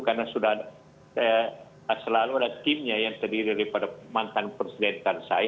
karena sudah selalu ada timnya yang terdiri dari mantan presiden karzai